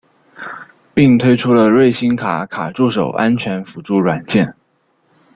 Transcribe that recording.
并推出了瑞星卡卡助手安全辅助软件。